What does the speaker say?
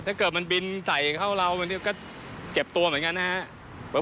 ถ้าเกิดมันบินใส่เข้าเรามันก็เจ็บตัวเหมือนกันนะครับ